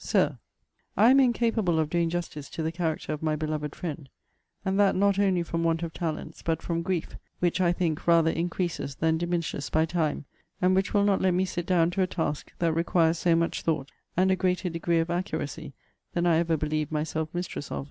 SIR, I am incapable of doing justice to the character of my beloved friend; and that not only from want of talents, but from grief; which, I think, rather increases than diminishes by time; and which will not let me sit down to a task that requires so much thought, and a greater degree of accuracy than I ever believed myself mistress of.